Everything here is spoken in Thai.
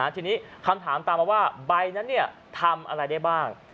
ทีนี้คำถามตามมาว่าใบนั้นทำอะไรได้บ้าง